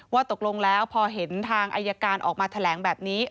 ว่าตกลงแล้วพอเห็นทางอายการออกมาแถลงแบบนี้